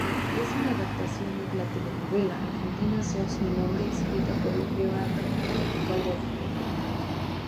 Es una adaptación de la telenovela argentina "Sos mi hombre" escrita por Leandro Calderone.